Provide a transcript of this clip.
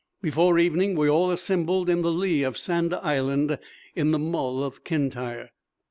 Before evening we all assembled in the lee of Sanda Island, in the Mull of Kintyre.